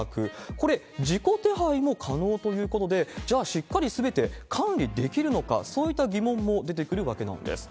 これ、自己手配も可能ということで、じゃあ、しっかりすべて管理できるのか、そういった疑問も出てくるわけなんです。